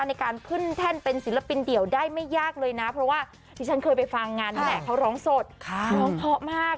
ในการขึ้นแท่นเป็นศิลปินเดี่ยวได้ไม่ยากเลยนะเพราะว่าที่ฉันเคยไปฟังงานนี่แหละเขาร้องสดร้องเพราะมาก